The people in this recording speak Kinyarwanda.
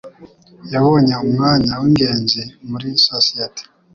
Yabonye umwanya wingenzi muri sosiyete.